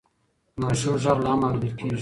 د ماشوم غږ لا هم اورېدل کېږي.